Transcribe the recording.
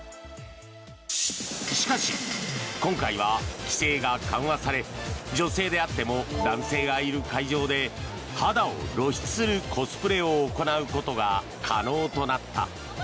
しかし、今回は規制が緩和され女性であっても男性がいる会場で肌を露出するコスプレを行うことが可能となった。